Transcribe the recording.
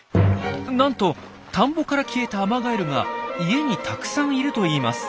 なんと田んぼから消えたアマガエルが家にたくさんいるといいます。